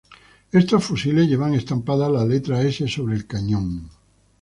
Estos fusiles llevan estampada la letra S sobre el cañón.